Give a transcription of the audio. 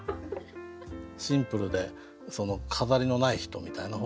シンプルで飾りのない人みたいな方がね